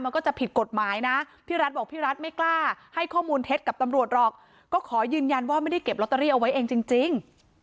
มันก็จะผิดกฎหมายนะพี่รัฐบอกพี่รัฐไม่กล้าให้ข้อมูลเท็จกับตำรวจหรอกก็ขอยืนยันว่าไม่ได้เก็บลอตเตอรี่เอาไว้เองจริง